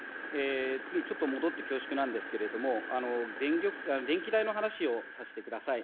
次にちょっと戻って恐縮なんですけれども、電気代の話をさせてください。